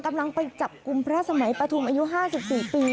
กำลังไปจับกลุ่มพระสมัยปทุมอายุห้าสิบสี่ปี